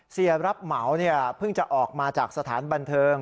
เสียรับเหมาเพิ่งจะออกมาจากสถานบันเทิง